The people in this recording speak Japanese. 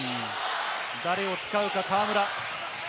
誰を使うか、河村。